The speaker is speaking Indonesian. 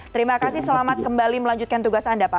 terima kasih selamat kembali melanjutkan tugas anda pak